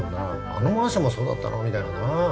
あのマンションもそうだったの？みたいのな。